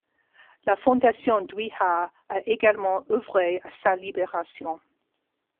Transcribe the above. La Fondation Dui Hua a également œuvré à sa libération.